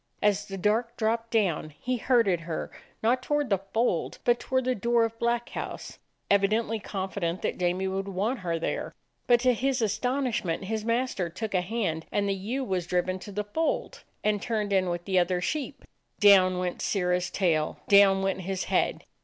As the dark dropped down, he herded her, not toward the 83 DOG HEROES OF MANY LANDS fold, but toward the dtfor of Black House, evidently confident that J amie would want her there. But to his astonishment his master took a hand, and the ewe was driven to the fold, and turned in with the other sheep. Down went Sirrah's tail, down went his head.